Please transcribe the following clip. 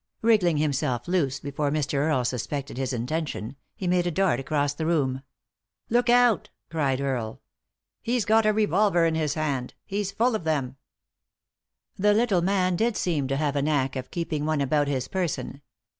Wriggling himself loose before Mr. Earle sus pected his intention, he made a dart across the room. " Look out 1 " cried Earle. " He's got a revolver in his hand" — he's full of them 1 " The little man did seem to have a knack of keeping one about his person.